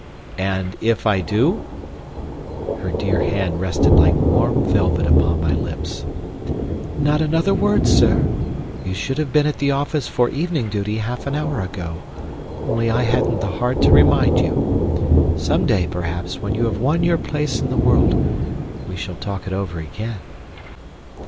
"And if I do " Her dear hand rested like warm velvet upon my lips. "Not another word, Sir! You should have been at the office for evening duty half an hour ago; only I hadn't the heart to remind you. Some day, perhaps, when you have won your place in the world, we shall talk it over again."